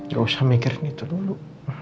gak usah mikirin itu dulu